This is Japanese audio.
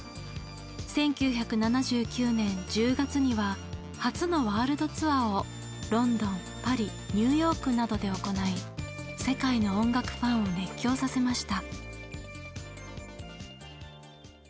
１９７９年１０月には初のワールドツアーをロンドンパリニューヨークなどで行い世界の音楽ファンを熱狂させました。